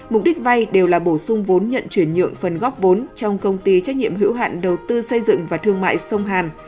mục đích vay đều là bổ sung vốn nhận chuyển nhượng phần góp vốn trong công ty trách nhiệm hữu hạn đầu tư xây dựng và thương mại sông hàn